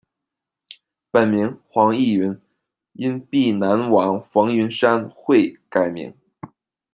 本名黄益云，因避南王冯云山讳改名。